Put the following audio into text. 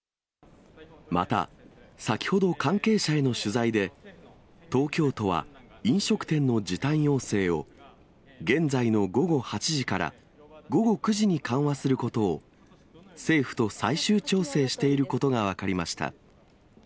また、先ほど関係者への取材で、東京都は飲食店の時短要請を、現在の午後８時から午後９時に緩和することを、政府と最終調整していることが分かりました。